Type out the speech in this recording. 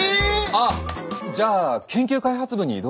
あっじゃあ研究開発部に異動を。